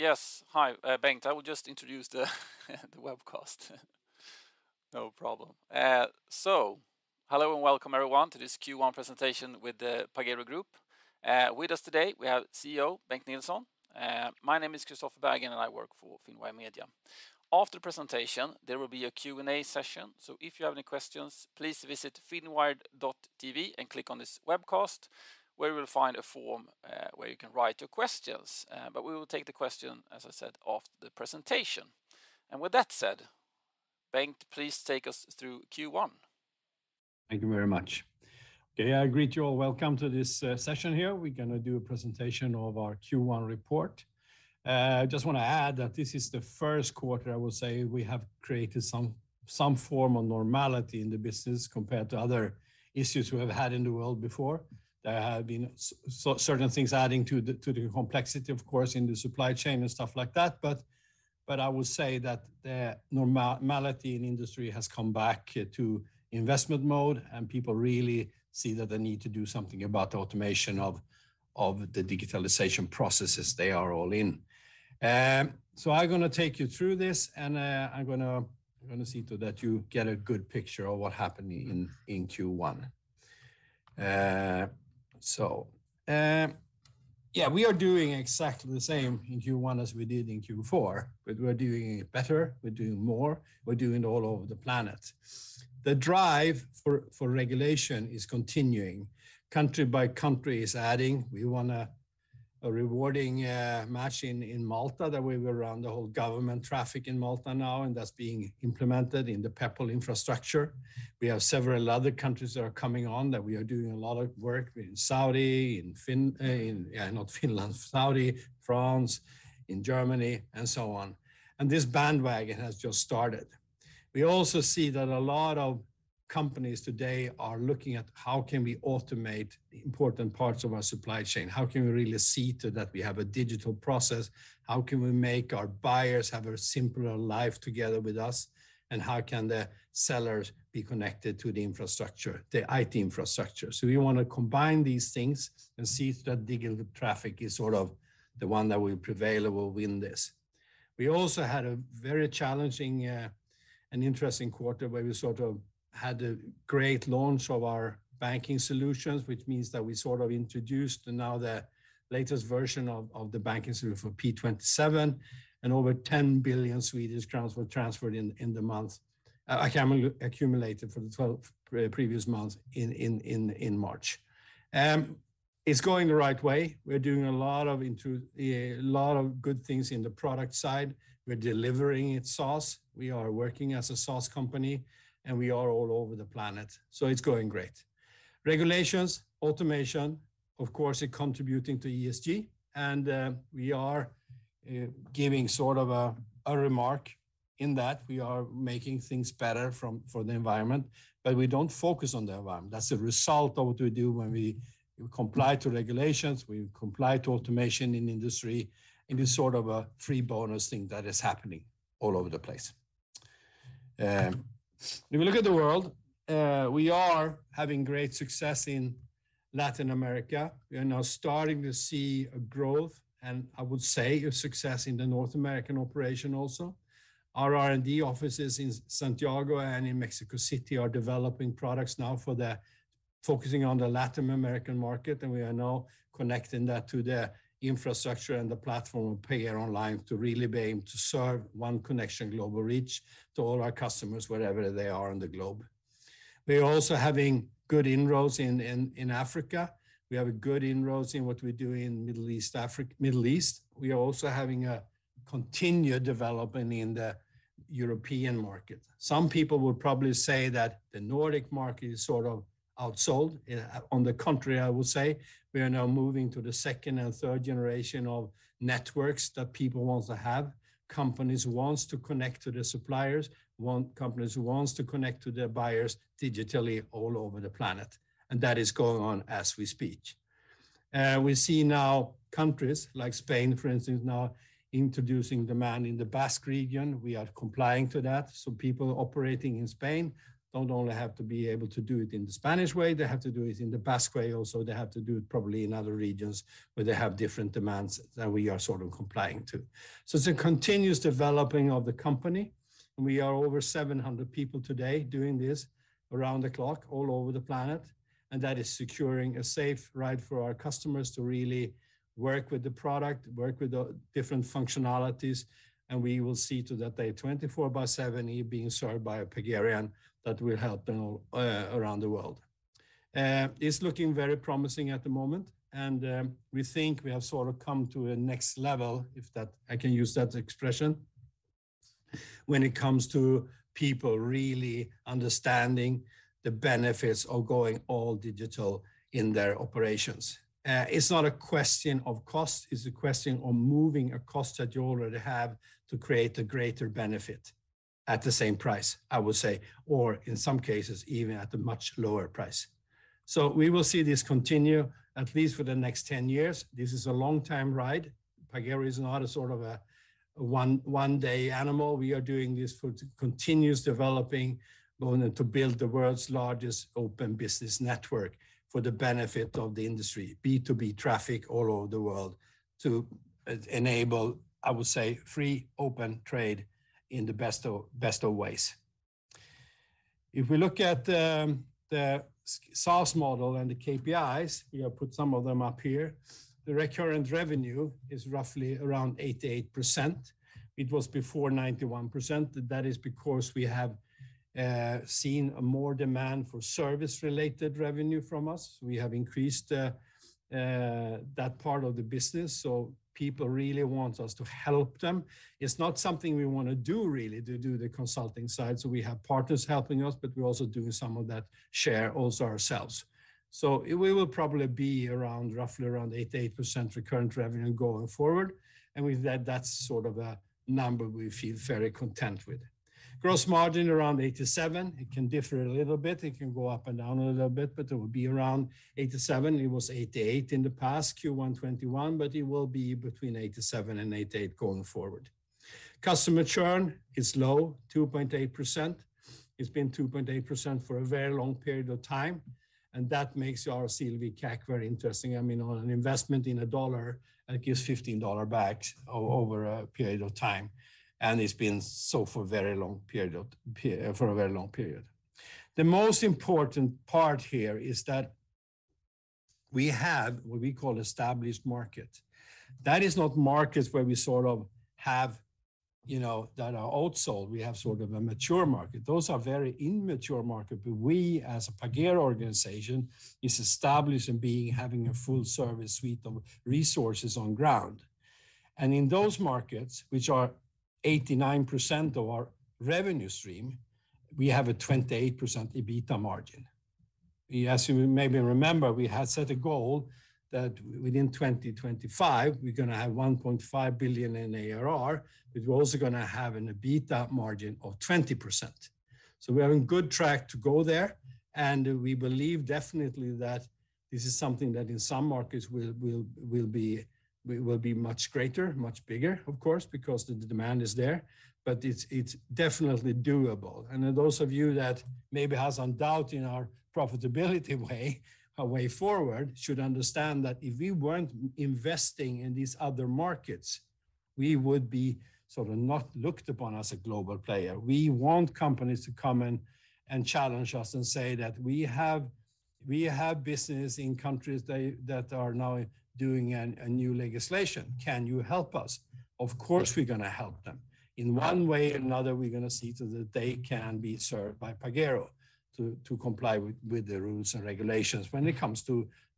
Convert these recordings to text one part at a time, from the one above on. Yes. Hi, Bengt. I will just introduce the webcast. No problem. Hello and welcome everyone to this Q1 presentation with the Pagero Group. With us today we have CEO Bengt Nilsson. My name is Christopher Bergin, and I work for Finwire Media. After the presentation, there will be a Q&A session, so if you have any questions, please visit finwire.tv and click on this webcast, where you will find a form, where you can write your questions. But we will take the question, as I said, after the presentation. With that said, Bengt, please take us through Q1. Thank you very much. Okay, I greet you all. Welcome to this session here. We're gonna do a presentation of our Q1 report. I just wanna add that this is the Q1 I will say we have created some form of normality in the business compared to other issues we have had in the world before. There have been certain things adding to the complexity, of course, in the supply chain and stuff like that, but I will say that the normality in industry has come back to investment mode, and people really see that they need to do something about the automation of the digitalization processes they are all in. I'm gonna take you through this, and I'm gonna see to that you get a good picture of what happened in Q1. We are doing exactly the same in Q1 as we did in Q4. We're doing it better, we're doing more, we're doing it all over the planet. The drive for regulation is continuing. Country by country is adding, "We want an e-invoicing mandate in Malta," the way around the whole government traffic in Malta now, and that's being implemented in the Peppol infrastructure. We have several other countries that are coming on that we are doing a lot of work. We're in Saudi, France, in Germany, and so on. This bandwagon has just started. We also see that a lot of companies today are looking at, "How can we automate important parts of our supply chain? How can we really see to it that we have a digital process? How can we make our buyers have a simpler life together with us? And how can the sellers be connected to the infrastructure, the IT infrastructure?" We wanna combine these things and see that digital traffic is sort of the one that will prevail or will win this. We also had a very challenging and interesting quarter where we sort of had a great launch of our banking solutions, which means that we sort of introduced now the latest version of the banking solution for P27, and over 10 billion Swedish crowns were transferred in the month, accumulated for the 12 previous months in March. It's going the right way. We're doing a lot of good things in the product side. We're delivering it SaaS. We are working as a SaaS company, and we are all over the planet. It's going great. Regulations, automation, of course, are contributing to ESG, and we are giving sort of a remark in that we are making things better for the environment. We don't focus on the environment. That's a result of what we do when we comply to regulations, we comply to automation in industry, and it's sort of a free bonus thing that is happening all over the place. If we look at the world, we are having great success in Latin America. We are now starting to see a growth, and I would say a success in the North American operation also. Our R&D offices in Santiago and in Mexico City are developing products now for the Focusing on the Latin American market, we are now connecting that to the infrastructure and the platform of Pagero Online to really be able to serve One connection - global reach to all our customers wherever they are on the globe. We're also having good inroads in Africa. We have good inroads in the Middle East. We are also having a continued development in the European market. Some people would probably say that the Nordic market is sort of outsold. On the contrary, I would say we are now moving to the second and third generation of networks that people want to have. Companies wants to connect to the suppliers. Companies wants to connect to their buyers digitally all over the planet, and that is going on as we speak. We see now countries like Spain, for instance, now introducing demand in the Basque region. We are complying to that. People operating in Spain don't only have to be able to do it in the Spanish way, they have to do it in the Basque way also. They have to do it probably in other regions where they have different demands that we are sort of complying to. It's a continuous developing of the company, and we are over 700 people today doing this around the clock all over the planet, and that is securing a safe ride for our customers to really work with the product, work with the different functionalities, and we will see to that they're 24/7 being served by a Pagerian that will help them all around the world. It's looking very promising at the moment, and we think we have sort of come to a next level, if that I can use that expression, when it comes to people really understanding the benefits of going all digital in their operations. It's not a question of cost, it's a question of moving a cost that you already have to create a greater benefit at the same price, I would say. In some cases, even at a much lower price. We will see this continue at least for the next 10 years. This is a long time ride. Pagero is not a sort of a one-day animal. We are doing this for continuous developing in order to build the world's largest open business network for the benefit of the industry, B2B traffic all over the world, to e-enable, I would say, free open trade in the best of ways. If we look at the SaaS model and the KPIs, we have put some of them up here, the recurrent revenue is roughly around 88%. It was before 91%. That is because we have seen more demand for service-related revenue from us. We have increased that part of the business, so people really want us to help them. It's not something we wanna do really to do the consulting side, so we have partners helping us, but we're also doing some of that share also ourselves. We will probably be roughly around 88% recurrent revenue going forward, and with that's sort of a number we feel very content with. Gross margin around 87%. It can differ a little bit. It can go up and down a little bit, but it will be around 87%. It was 88% in the past Q1 2021, but it will be between 87% and 88% going forward. Customer churn is low, 2.8%. It's been 2.8% for a very long period of time, and that makes our CLV:CAC very interesting. I mean, on an investment in a dollar, it gives $15 back over a period of time, and it's been so for a very long period. The most important part here is that we have what we call established market. Those are not markets where we sort of have, you know, that are outsold. We have sort of a mature market. Those are very immature market. We, as a Pagero organization, is established in being having a full service suite of resources on ground. In those markets, which are 89% of our revenue stream, we have a 28% EBITDA margin. As you maybe remember, we had set a goal that within 2025, we're gonna have 1.5 billion in ARR, but we're also gonna have an EBITDA margin of 20%. We're on good track to go there, and we believe definitely that this is something that in some markets will be much greater, much bigger, of course, because the demand is there. It's definitely doable. Those of you that maybe has some doubt in our profitability way, our way forward, should understand that if we weren't investing in these other markets, we would be sort of not looked upon as a global player. We want companies to come and challenge us and say that, "We have business in countries that are now doing a new legislation. Can you help us?" Of course, we're gonna help them. In one way or another, we're gonna see to that they can be served by Pagero to comply with the rules and regulations when it comes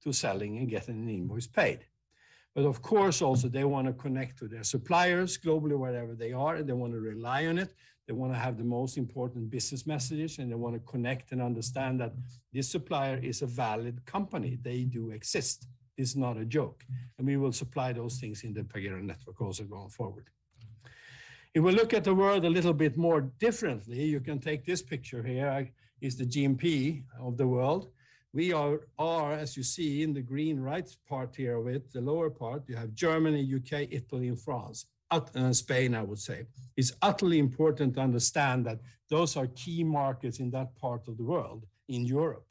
to selling and getting an invoice paid. Of course also they wanna connect to their suppliers globally, wherever they are, and they wanna rely on it. They wanna have the most important business messages, and they wanna connect and understand that this supplier is a valid company. They do exist. It's not a joke. We will supply those things in the Pagero Network also going forward. If we look at the world a little bit more differently, you can take this picture here, is the GDP of the world. We are, as you see, in the green right part here with the lower part, you have Germany, U.K., Italy, and France, Spain, I would say. It's utterly important to understand that those are key markets in that part of the world, in Europe.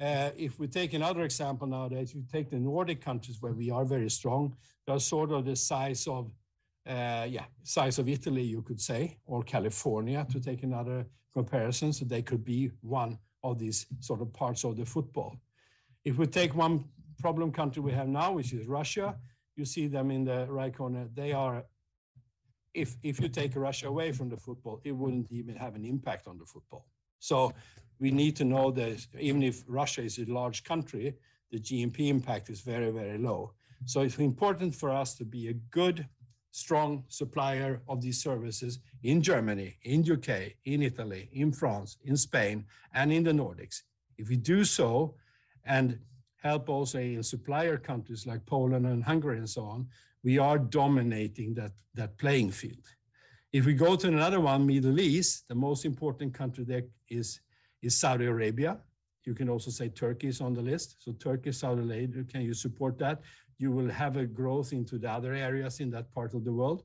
If we take another example nowadays, you take the Nordic countries where we are very strong. They are sort of the size of Italy you could say, or California, to take another comparison, so they could be one of these sort of parts of the world. If we take one problem country we have now, which is Russia, you see them in the right corner. If you take Russia away from the world, it wouldn't even have an impact on the world. We need to know that even if Russia is a large country, the GDP impact is very, very low. It's important for us to be a good, strong supplier of these services in Germany, in U.K., in Italy, in France, in Spain, and in the Nordics. If we do so, and help also supplier countries like Poland and Hungary and so on, we are dominating that playing field. If we go to another one, Middle East, the most important country there is Saudi Arabia. You can also say Turkey is on the list. Turkey, Saudi Arabia, can you support that? You will have a growth into the other areas in that part of the world.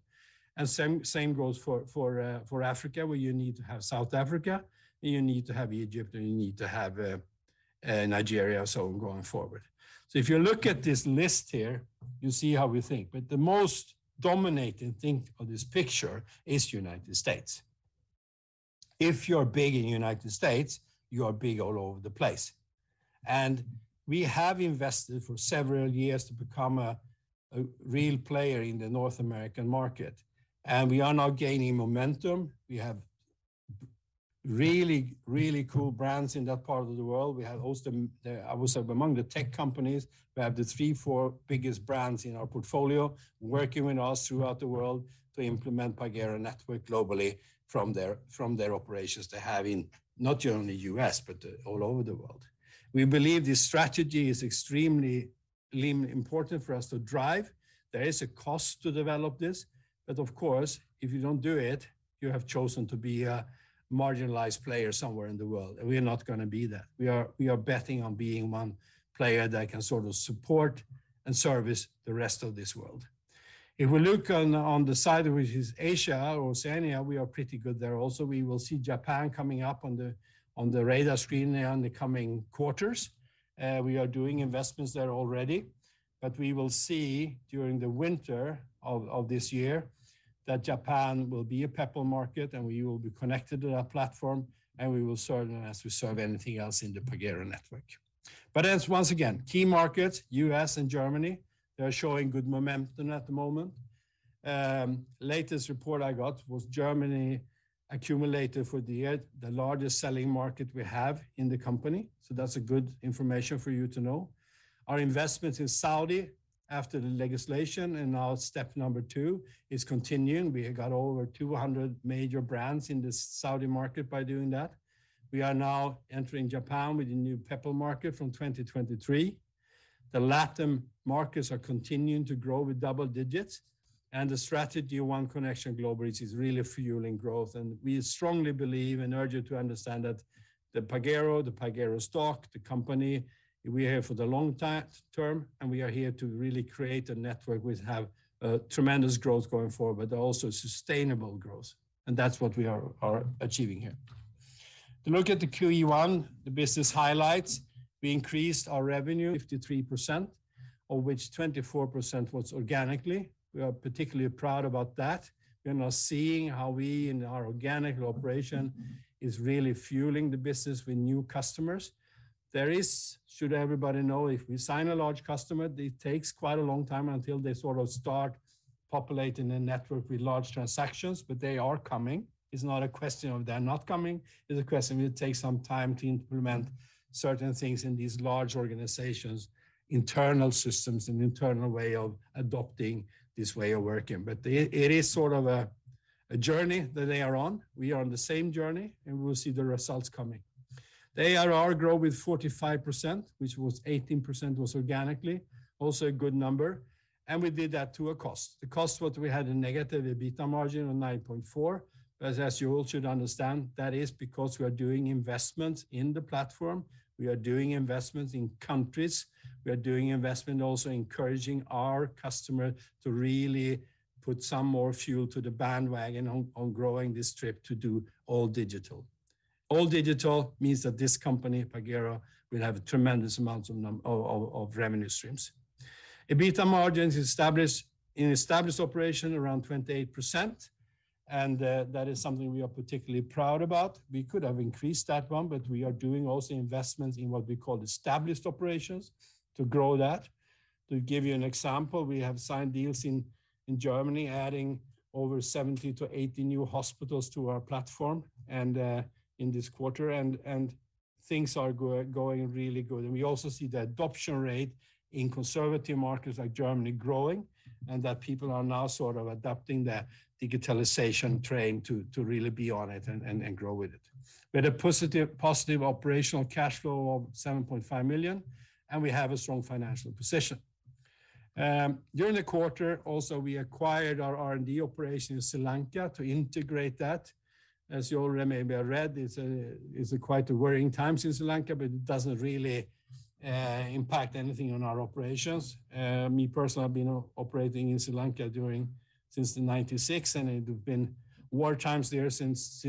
Same goes for Africa, where you need to have South Africa, and you need to have Egypt, and you need to have Nigeria, so going forward. If you look at this list here, you see how we think. The most dominating thing of this picture is U.S. If you're big in U.S., you are big all over the place. We have invested for several years to become a real player in the North American market, and we are now gaining momentum. We have really, really cool brands in that part of the world. We have also I would say among the tech companies, we have the three, four biggest brands in our portfolio working with us throughout the world to implement Pagero Network globally from their operations they have in not only U.S., but all over the world. We believe this strategy is extremely important for us to drive. There is a cost to develop this. Of course, if you don't do it, you have chosen to be a marginalized player somewhere in the world, and we're not gonna be that. We are betting on being one player that can sort of support and service the rest of this world. If we look on the side which is Asia, Oceania, we are pretty good there also. We will see Japan coming up on the radar screen in the coming quarters. We are doing investments there already. We will see during the winter of this year that Japan will be a Peppol market, and we will be connected to that platform, and we will serve them as we serve anything else in the Pagero Network. As once again, key markets, U.S. and Germany, they are showing good momentum at the moment. Latest report I got was Germany accumulated for the year, the largest selling market we have in the company. That's a good information for you to know. Our investment in Saudi after the legislation and now step number 2 is continuing. We have got over 200 major brands in the Saudi market by doing that. We are now entering Japan with a new Peppol market from 2023. The LATAM markets are continuing to grow with double digits, and the strategy one connection global, which is really fueling growth. We strongly believe and urge you to understand that the Pagero, the Pagero stock, the company, we're here for the long time-term, and we are here to really create a network which have tremendous growth going forward, but also sustainable growth. That's what we are achieving here. To look at the Q1, the business highlights, we increased our revenue 53%, of which 24% was organically. We are particularly proud about that. We are now seeing how we in our organic operation is really fueling the business with new customers. There is, everybody should know, if we sign a large customer, it takes quite a long time until they sort of start populating the network with large transactions, but they are coming. It's not a question of they're not coming, it's a question it will take some time to implement certain things in these large organizations, internal systems, and internal way of adopting this way of working. It is sort of a journey that they are on. We are on the same journey, and we'll see the results coming. ARR grow with 45%, which was 18% was organically, also a good number, and we did that to a cost. The cost what we had a negative EBITDA margin of 9.4%. You all should understand that is because we are doing investments in the platform, we are doing investments in countries, we are doing investment also encouraging our customer to really put some more fuel to the bandwagon on growing this trip to do all digital. All digital means that this company, Pagero, will have tremendous amounts of revenue streams. EBITDA margins in established operations around 28%, and that is something we are particularly proud about. We could have increased that one, but we are doing also investments in what we call established operations to grow that. To give you an example, we have signed deals in Germany adding over 70-80 new hospitals to our platform, and in this quarter things are going really good. We also see the adoption rate in conservative markets like Germany growing, and that people are now sort of adopting the digitalization train to really be on it and grow with it. We had a positive operational cash flow of 7.5 million, and we have a strong financial position. During the quarter also, we acquired our R&D operation in Sri Lanka to integrate that. As you already maybe have read, it's quite a worrying times in Sri Lanka, but it doesn't really impact anything on our operations. Me personally, I've been operating in Sri Lanka since 1996, and it had been war times there since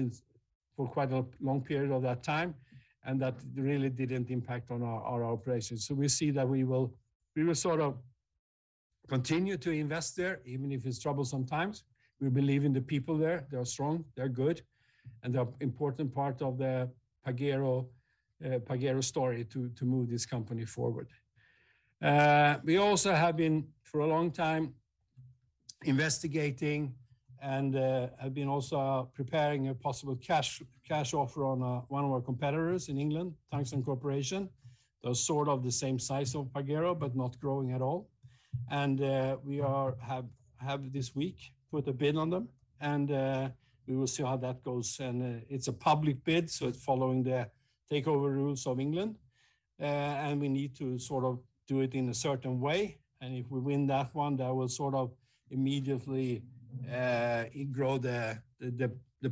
for quite a long period of that time, and that really didn't impact on our operations. We see that we will sort of continue to invest there, even if it's troublesome times. We believe in the people there. They are strong, they are good, and they are important part of the Pagero story to move this company forward. We also have been, for a long time, investigating and have been preparing a possible cash offer on one of our competitors in England, Tungsten Corporation. They're sort of the same size of Pagero, but not growing at all. We have this week put a bid on them, and we will see how that goes. It's a public bid, so it's following the takeover rules of England. We need to sort of do it in a certain way, and if we win that one, that will sort of immediately, it grow the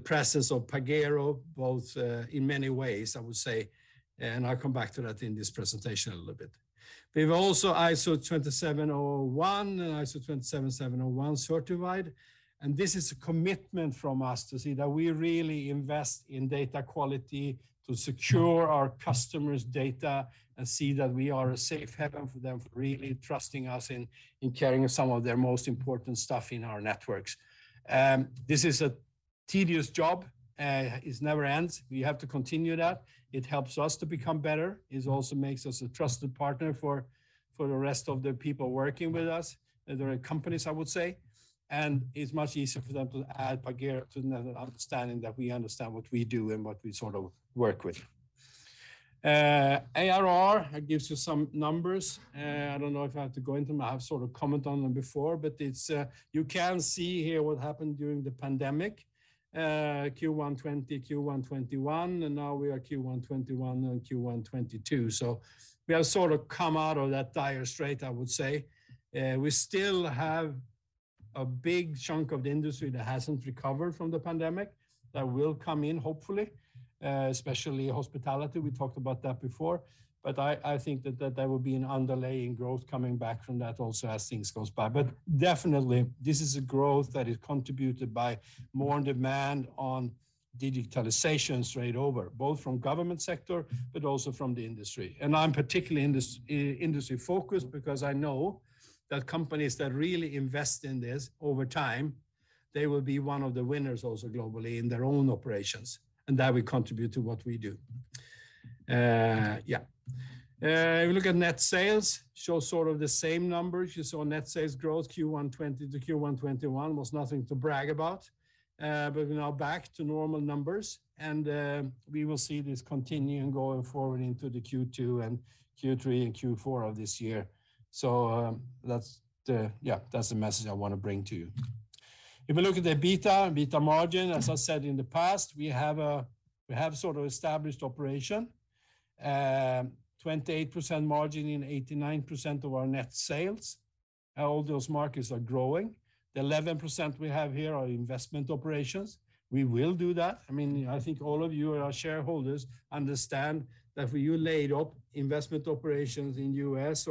presence of Pagero both in many ways, I would say, and I'll come back to that in this presentation a little bit. We've also ISO 27001 and ISO 27701 certified, and this is a commitment from us to see that we really invest in data quality to secure our customers' data and see that we are a safe haven for them for really trusting us in carrying some of their most important stuff in our networks. This is a tedious job. It never ends. We have to continue that. It helps us to become better. It also makes us a trusted partner for the rest of the people working with us, the companies, I would say. It's much easier for them to add Pagero to another understanding that we understand what we do and what we sort of work with. ARR, it gives you some numbers. I don't know if I have to go into them. I have sort of commented on them before, but it's you can see here what happened during the pandemic, Q1 2020, Q1 2021, and now we are Q1 2021 and Q1 2022. We have sort of come out of that dire strait, I would say. We still have a big chunk of the industry that hasn't recovered from the pandemic that will come in hopefully, especially hospitality, we talked about that before. I think that there will be an underlying growth coming back from that also as things goes by. Definitely, this is a growth that is contributed by more demand on digitalization straight over, both from government sector, but also from the industry. I'm particularly industry-focused because I know that companies that really invest in this over time, they will be one of the winners also globally in their own operations, and that will contribute to what we do. If you look at net sales, show sort of the same numbers. You saw net sales growth Q1 2020 to Q1 2021 was nothing to brag about. We're now back to normal numbers, and we will see this continuing going forward into the Q2 and Q3 and Q4 of this year. That's the message I wanna bring to you. If you look at the EBITDA and EBITDA margin, as I said in the past, we have sort of established operation. 28% margin in 89% of our net sales. All those markets are growing. The 11% we have here are investment operations. We will do that. I mean, I think all of you are our shareholders understand that if we lacked investment operations in U.S.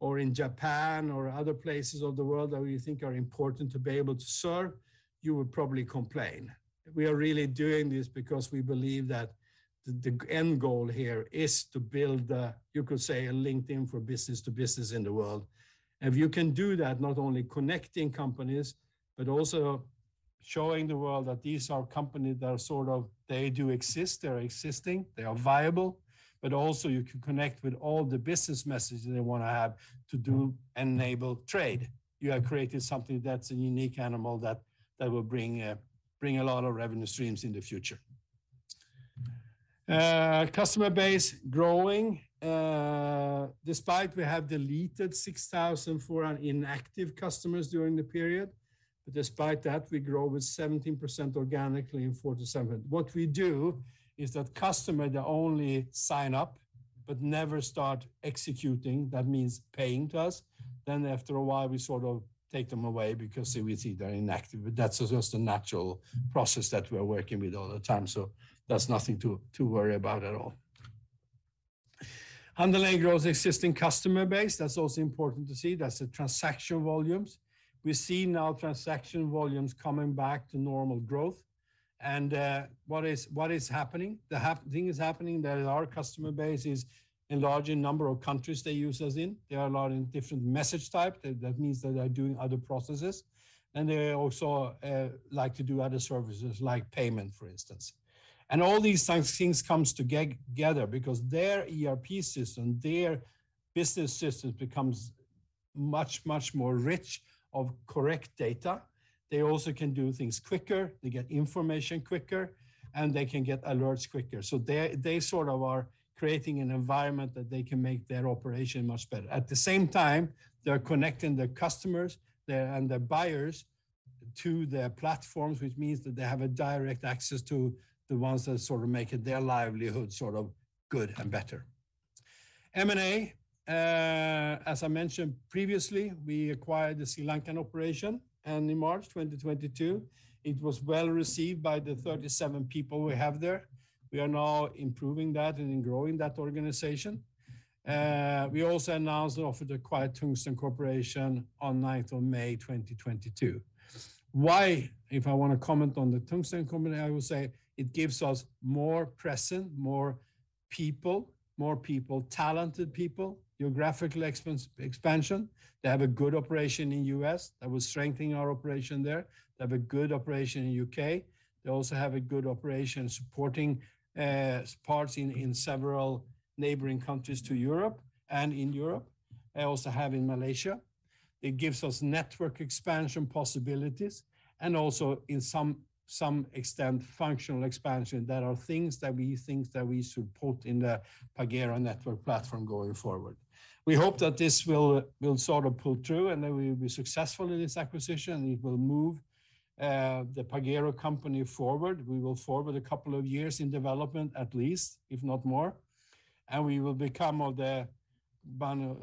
or in Japan or other places of the world that we think are important to be able to serve, you would probably complain. We are really doing this because we believe that the end goal here is to build a, you could say, a LinkedIn for business to business in the world. If you can do that, not only connecting companies, but also showing the world that these are companies that are sort of, they do exist, they're existing, they are viable, but also you can connect with all the business messages they wanna have to do enabled trade. You have created something that's a unique animal that will bring a lot of revenue streams in the future. Customer base growing, despite we have deleted 6,004 inactive customers during the period. Despite that, we grow with 17% organically in 47. What we do is that customer, they only sign up but never start executing, that means paying to us, then after a while, we sort of take them away because we see they're inactive. That's just a natural process that we're working with all the time, so that's nothing to worry about at all. Underlying growth, existing customer base, that's also important to see. That's the transaction volumes. We see now transaction volumes coming back to normal growth. What is happening? The happy thing is happening that our customer base is enlarging number of countries they use us in. There are a lot in different message type. That means that they're doing other processes. They also like to do other services like payment, for instance. All these things comes together because their ERP system, their business systems becomes much, much more rich of correct data. They also can do things quicker, they get information quicker, and they can get alerts quicker. They sort of are creating an environment that they can make their operation much better. At the same time, they're connecting their customers and their buyers to their platforms, which means that they have a direct access to the ones that sort of make it their livelihood sort of good and better. M&A, as I mentioned previously, we acquired the Sri Lankan operation, and in March 2022, it was well-received by the 37 people we have there. We are now improving that and then growing that organization. We also announced offer to acquire Tungsten Corporation on May 9th 2022. Why? If I wanna comment on the Tungsten Corporation, I will say it gives us more presence, more people, talented people, geographical expansion. They have a good operation in U.S. that will strengthen our operation there. They have a good operation in U.K. They also have a good operation supporting parts in several neighboring countries to Europe and in Europe. They also have in Malaysia. It gives us network expansion possibilities, and also in some extent, functional expansion. There are things that we think that we should put in the Pagero network platform going forward. We hope that this will sort of pull through, and then we'll be successful in this acquisition, and it will move the Pagero company forward. We will forward a couple of years in development, at least, if not more, and we will become one of the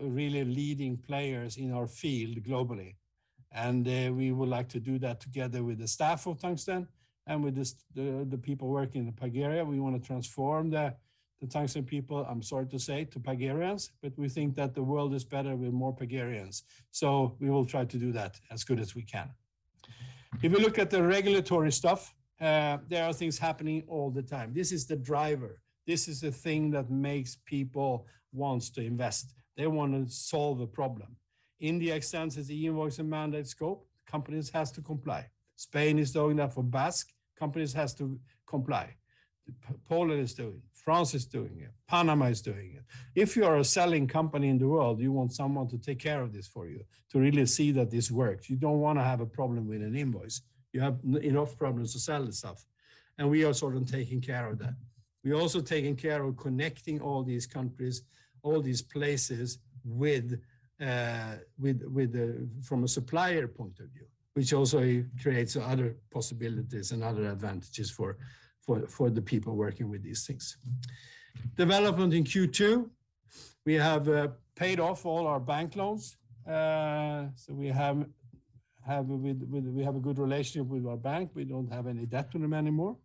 really leading players in our field globally. We would like to do that together with the staff of Tungsten and with the people working in Pagero. We wanna transform the Tungsten people, I'm sorry to say, to Pagerans, but we think that the world is better with more Pagerans. We will try to do that as good as we can. If you look at the regulatory stuff, there are things happening all the time. This is the driver. This is the thing that makes people wants to invest. They wanna solve a problem. India extends its e-invoice and mandate scope. Companies has to comply. Spain is doing that for Basque. Companies has to comply. Poland is doing it. France is doing it. Panama is doing it. If you are a selling company in the world, you want someone to take care of this for you, to really see that this works. You don't wanna have a problem with an invoice. You have enough problems to sell the stuff, and we are sort of taking care of that. We're also taking care of connecting all these countries, all these places with. From a supplier point of view, which also creates other possibilities and other advantages for the people working with these things. Development in Q2. We have paid off all our bank loans. We have a good relationship with our bank. We don't have any debt to them anymore.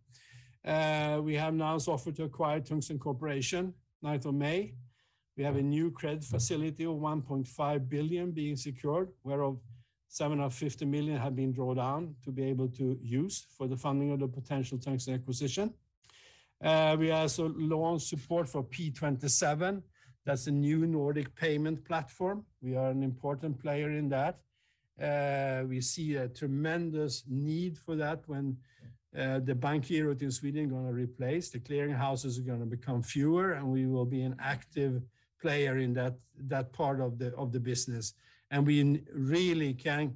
We have now also offered to acquire Tungsten Corporation, ninth of May. We have a new credit facility of 1.5 billion being secured, whereof 750 million have been drawn down to be able to use for the funding of the potential Tungsten acquisition. We also launched support for P27. That's a new Nordic payment platform. We are an important player in that. We see a tremendous need for that when the bank here within Sweden gonna replace, the clearing houses are gonna become fewer, and we will be an active player in that part of the business. We really can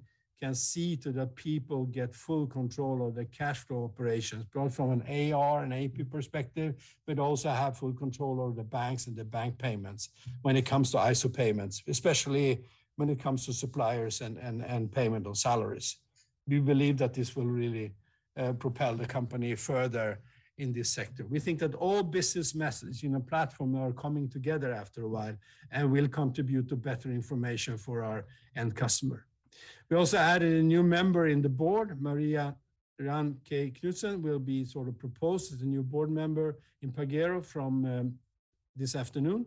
see to that people get full control of the cash flow operations, both from an AR and AP perspective, but also have full control over the banks and the bank payments when it comes to ISO payments, especially when it comes to suppliers and payment of salaries. We believe that this will really propel the company further in this sector. We think that all business messages in a platform are coming together after a while and will contribute to better information for our end customer. We also added a new member in the board. Marianne K. Knudsen will be sort of proposed as a new board member in Pagero from this afternoon,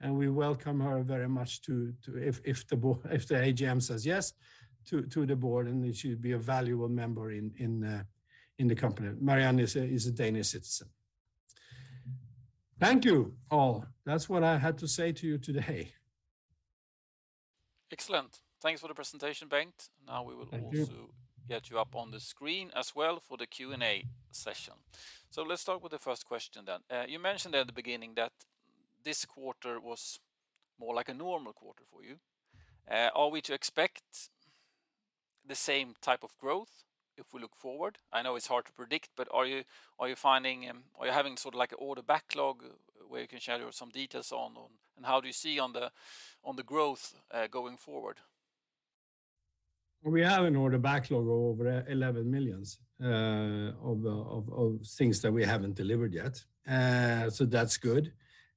and we welcome her very much. If the AGM says yes to the board, and she'll be a valuable member in the company. Marianne is a Danish citizen. Thank you, all. That's what I had to say to you today. Excellent. Thanks for the presentation, Bengt. Thank you. Now we will also get you up on the screen as well for the Q&A session. Let's start with the first question then. You mentioned at the beginning that this quarter was more like a normal quarter for you. Are we to expect the same type of growth if we look forward? I know it's hard to predict, but are you finding, are you having sort of like an order backlog where you can share some details on, and how do you see the growth going forward? We have an order backlog of over 11 million of things that we haven't delivered yet. That's good.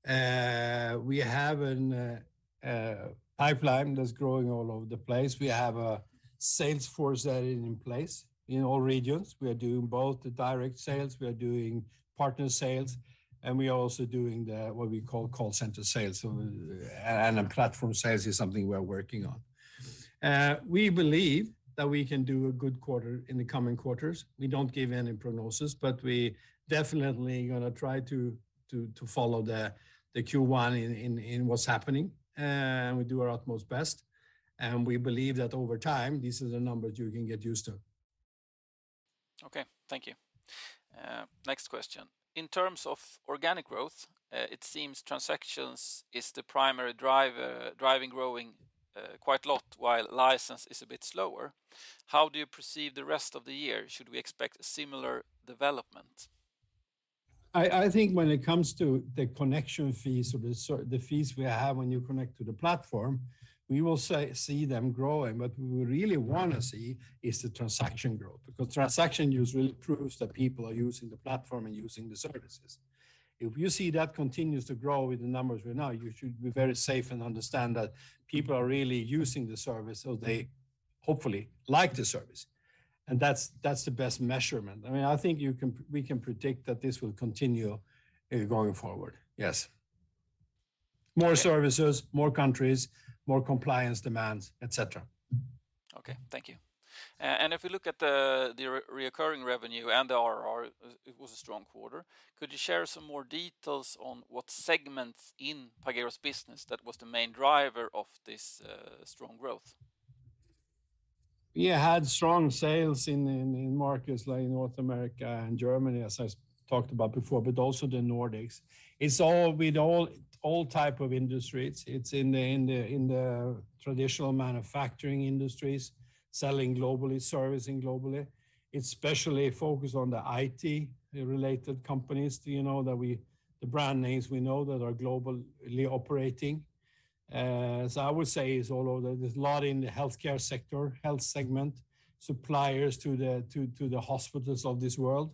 We have a pipeline that's growing all over the place. We have a sales force that is in place in all regions. We are doing both the direct sales, we are doing partner sales, and we are also doing what we call call center sales. Platform sales is something we are working on. We believe that we can do a good quarter in the coming quarters. We don't give any prognosis, but we definitely gonna try to follow the Q1 in what's happening, and we do our utmost best, and we believe that over time these are the numbers you can get used to. Okay. Thank you. Next question. In terms of organic growth, it seems transactions is the primary driver driving growth, quite a lot while license is a bit slower. How do you perceive the rest of the year? Should we expect a similar development? I think when it comes to the connection fees or the fees we have when you connect to the platform, we will see them growing. What we really wanna see is the transaction growth, because transaction use really proves that people are using the platform and using the services. If you see that continues to grow with the numbers we're now, you should be very safe and understand that people are really using the service, so they hopefully like the service, and that's the best measurement. I mean, I think we can predict that this will continue going forward. Yes. More services, more countries, more compliance demands, et cetera. Okay. Thank you. If we look at the recurring revenue and the ARR, it was a strong quarter. Could you share some more details on what segments in Pagero's business that was the main driver of this strong growth? We had strong sales in markets like North America and Germany, as I talked about before, but also the Nordics. It's all with all type of industries. It's in the traditional manufacturing industries, selling globally, servicing globally. It's specially focused on the IT-related companies, do you know, that we, the brand names we know that are globally operating. So I would say it's all over. There's a lot in the healthcare sector, health segment, suppliers to the hospitals of this world.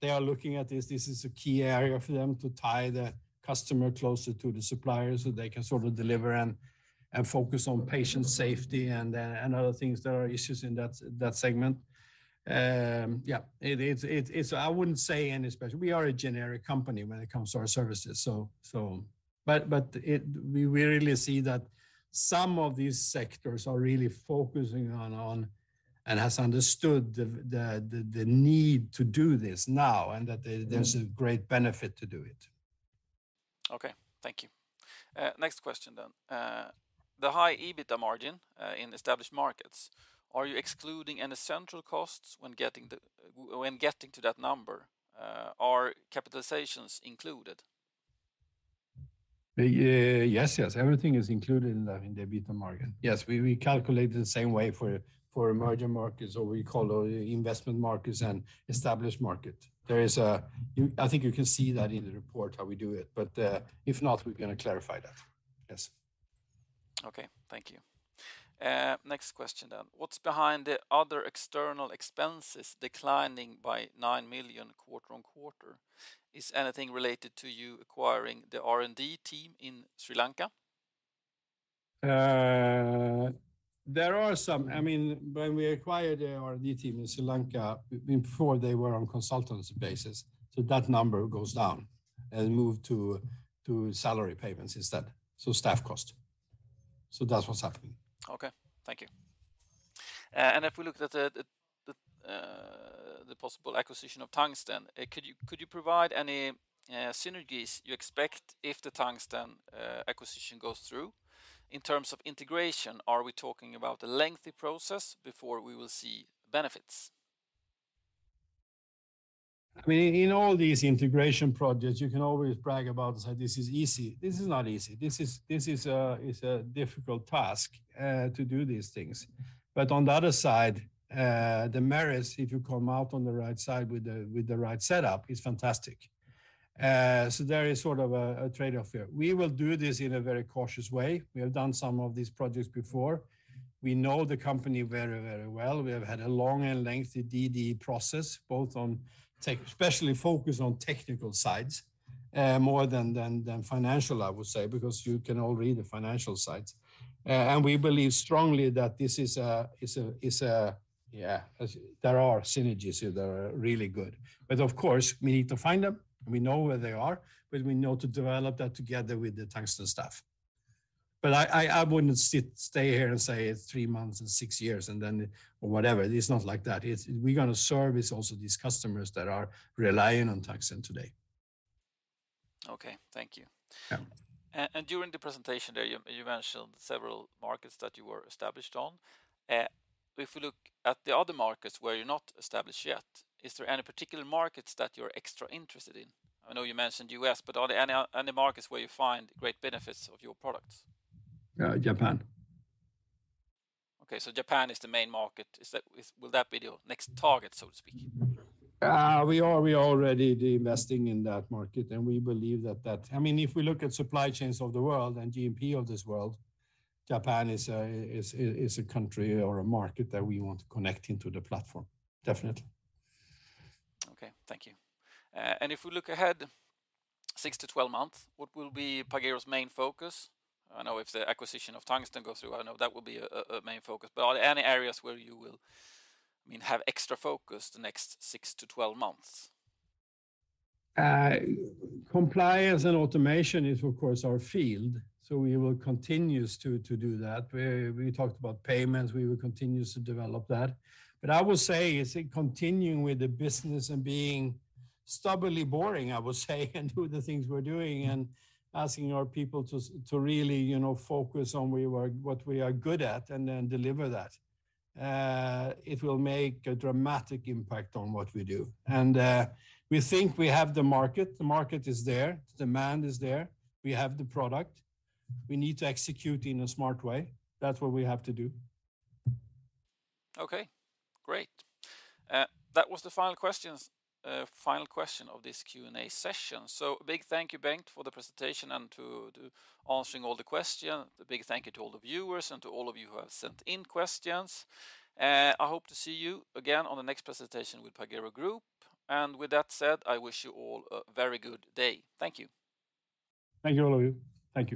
They are looking at this. This is a key area for them to tie the customer closer to the suppliers so they can sort of deliver and focus on patient safety and other things that are issues in that segment. Yeah, it is. I wouldn't say anything special. We are a generic company when it comes to our services. We really see that some of these sectors are really focusing on and has understood the need to do this now and that there's a great benefit to do it. Okay. Thank you. Next question. The high EBITDA margin in established markets, are you excluding any central costs when getting to that number? Are capitalizations included? Yes, everything is included in the EBITDA margin. Yes, we calculate the same way for emerging markets or we call investment markets and established market. I think you can see that in the report how we do it, but if not, we're gonna clarify that. Yes. Okay, thank you. Next question. What's behind the other external expenses declining by 9 million quarter-over-quarter? Is anything related to you acquiring the R&D team in Sri Lanka? There are some. I mean, when we acquired the R&D team in Sri Lanka, before they were on consultancy basis, so that number goes down and moved to salary payments instead, so staff cost. That's what's happening. Okay, thank you. If we look at the possible acquisition of Tungsten, could you provide any synergies you expect if the Tungsten acquisition goes through? In terms of integration, are we talking about a lengthy process before we will see benefits? I mean, in all these integration projects, you can always brag about and say, "This is easy." This is not easy. This is a difficult task to do these things. On the other side, the merits, if you come out on the right side with the right setup, is fantastic. There is sort of a trade-off here. We will do this in a very cautious way. We have done some of these projects before. We know the company very well. We have had a long and lengthy DD process, both on tech, especially focused on technical sides, more than financial, I would say, because you can all read the financial sides. We believe strongly that this is a. Yeah, there are synergies here that are really good. Of course, we need to find them, and we know where they are, but we know to develop that together with the Tungsten staff. I wouldn't sit, stay here and say it's three months and six years and then or whatever. It's not like that. It's we're gonna service also these customers that are relying on Tungsten today. Okay, thank you. Yeah. During the presentation there, you mentioned several markets that you were established on. If we look at the other markets where you're not established yet, is there any particular markets that you're extra interested in? I know you mentioned U.S., but are there any markets where you find great benefits of your products? Japan. Okay. Japan is the main market. Will that be your next target, so to speak? We are already investing in that market, and we believe that. I mean, if we look at supply chains of the world and GDP of this world, Japan is a country or a market that we want to connect into the platform. Definitely. Okay, thank you. If we look ahead six-twelve months, what will be Pagero's main focus? I know if the acquisition of Tungsten goes through, I know that will be a main focus, but are there any areas where you will, I mean, have extra focus the next six-twelve? Compliance and automation is, of course, our field, so we will continue to do that. We talked about payments, we will continue to develop that. I would say it's continuing with the business and being stubbornly boring, I would say, and do the things we're doing and asking our people to really, you know, focus on what we are good at and then deliver that. It will make a dramatic impact on what we do. We think we have the market. The market is there, the demand is there. We have the product. We need to execute in a smart way. That's what we have to do. Okay, great. That was the final question of this Q&A session. Big thank you, Bengt, for the presentation and to answering all the questions. A big thank you to all the viewers and to all of you who have sent in questions. I hope to see you again on the next presentation with Pagero Group. With that said, I wish you all a very good day. Thank you. Thank you, all of you. Thank you.